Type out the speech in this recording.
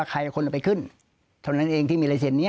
ใครไปขึ้นเท่านั้นเองที่มีไลเซนนี้